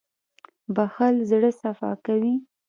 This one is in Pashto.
• بښل زړه صفا کوي.